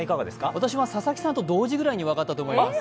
私は佐々木さんと同時ぐらいに分かったと思います。